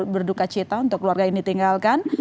berduka cita untuk keluarga yang ditinggalkan